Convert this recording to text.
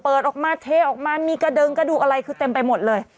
ออกมาเทออกมามีกระเดิงกระดูกอะไรคือเต็มไปหมดเลย